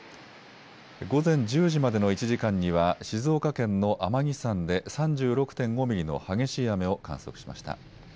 午前１０時までの１時間には静岡県の天城山で３６．５ミリの激しい雨を観測しました。